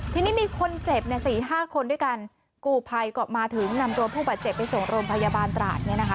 ทีนี้มีคนเจ็บ๔๕คนด้วยกันกูภัยก็มาถึงนำตัวผู้บาดเจ็บไปส่งโรงพยาบาลตราดเนี่ยนะคะ